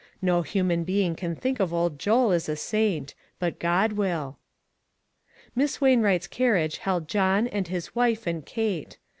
No human being can think of old Joel as a saint ; but God will." Miss Wainwright's carriage held John, and his wife and Kate. Mr.